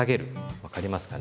分かりますかね。